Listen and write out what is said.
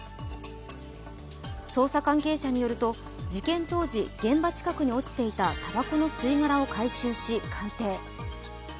捜査関係者によると事件当時、現場近くに落ちていたたばこの吸い殻を回収し、鑑定。